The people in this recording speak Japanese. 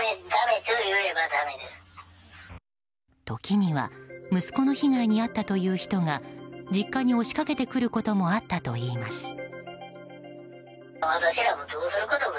時には息子の被害に遭ったという人が実家に押しかけてくることも合ったといいます。